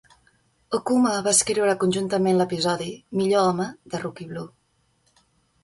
Okuma va escriure conjuntament l'episodi "Millor Home" de "Rookie Blue".